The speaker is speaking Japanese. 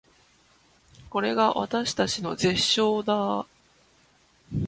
これが私たちの絶唱だー